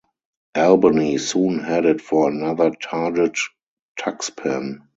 "Albany" soon headed for another target-Tuxpan.